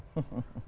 dan beliau itu